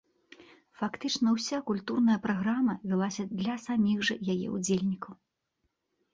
Фактычна ўся культурная праграма вялася для саміх жа яе ўдзельнікаў.